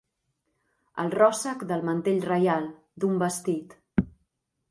El ròssec del mantell reial, d'un vestit.